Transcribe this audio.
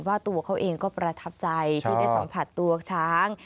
ว่าตัวเขาเองก็ประทับใจที่ได้สัมผัสตัวช้าง